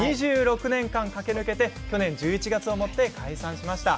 ２６年間、駆け抜けて去年１１月をもって解散しました。